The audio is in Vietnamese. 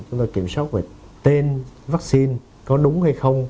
chúng tôi kiểm soát về tên vaccine có đúng hay không